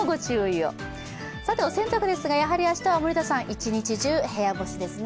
お洗濯ですがやはり明日は森田さん、一日中、部屋干しですね。